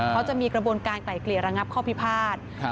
เขาจะมีกระบวนการไกล่เกลี่ยระงับข้อพิพาท